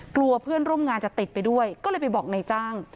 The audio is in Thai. กลัวเพื่อนร่วมงานจะติดไปด้วยก็เลยไปบอกนายจ้าง